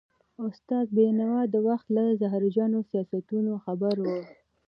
استاد بينوا د وخت له زهرجنو سیاستونو خبر و.